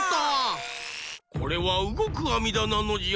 これはうごくあみだなのじゃ。